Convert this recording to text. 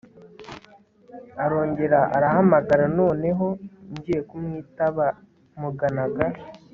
arongera arahamagara noneho ngiye kumwitaba muganaga